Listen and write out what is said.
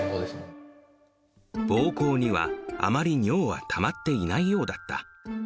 ぼうこうにはあまり尿はたまっていないようだった。